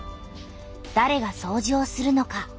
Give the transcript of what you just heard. だれがそうじをするのか？